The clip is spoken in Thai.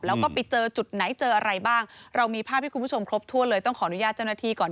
แล้วก็ไปเจอจุดไหนเจออะไรบ้างเรามีภาพให้คุณผู้ชมครบถ้วนเลยต้องขออนุญาตเจ้าหน้าที่ก่อน